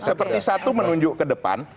seperti satu menunjuk ke depan